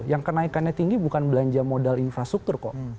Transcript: yang kenaikannya tinggi bukan belanja modal infrastruktur kok